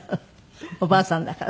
おばあさんだから。